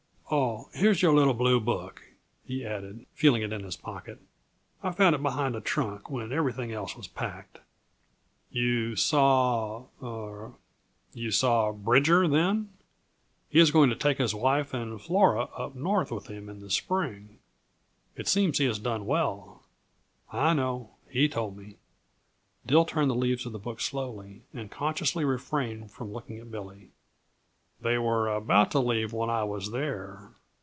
"Oh, here's your little blue book," he added, feeling it in his pocket. "I found it behind the trunk when everything else was packed." "You saw er you saw Bridger, then? He is going to take his wife and Flora up North with him in the spring. It seems he has done well." "I know he told me." Dill turned the leaves of the book slowly, and consciously refrained from looking at Billy. "They were about to leave when I was there.